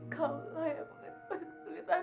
kau lah yang mengempat kesulitan